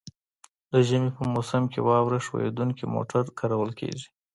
د ژمي په موسم کې واوره ښوییدونکي موټر کارول کیږي